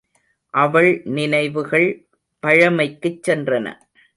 அவள் நினைவுகள் பழமைக்குச் சென்றன.